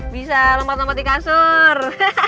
bisa lempat lempat di kasur